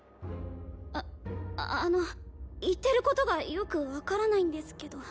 ああの言ってることがよく分からないんですけど。